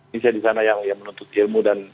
bisa di sana yang menutup ilmu dan